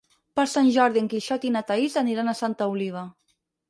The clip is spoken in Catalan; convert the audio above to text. Per Sant Jordi en Quixot i na Thaís aniran a Santa Oliva.